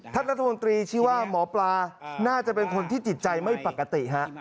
ท่านรัฐมนตรีชี้ว่าหมอปลาน่าจะเป็นคนที่จิตใจไม่ปกติฮะ